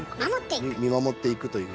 見守っていくという。